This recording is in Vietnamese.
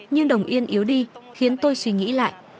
nhưng đồng yên yếu đi khiến tôi không thể đi du lịch nước ngoài